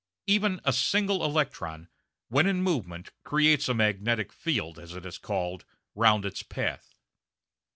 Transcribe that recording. Even a single electron, when in movement, creates a magnetic "field," as it is called, round its path.